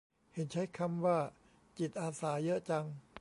เห็นใช้คำว่า "จิตอาสา" เยอะจัง